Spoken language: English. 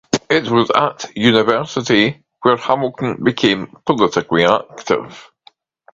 It was at University where Hamilton became politically active.